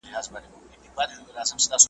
زورور به په ځنګله کي تر هر چا وي .